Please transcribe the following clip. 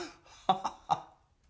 ハハハ！